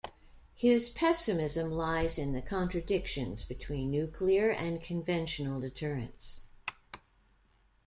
His pessimism lies in the contradictions between nuclear and conventional deterrence.